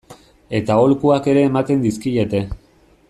Eta aholkuak ere ematen dizkiete.